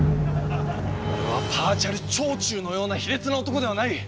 俺はパーチャルチョーチューのような卑劣な男ではない！